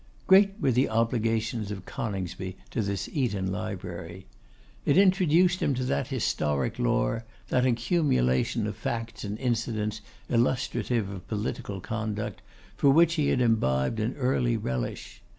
Great were the obligations of Coningsby to this Eton Library. It introduced him to that historic lore, that accumulation of facts and incidents illustrative of political conduct, for which he had imbibed an early relish.